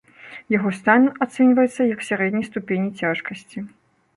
Яго стан ацэньваецца як сярэдняй ступені цяжкасці.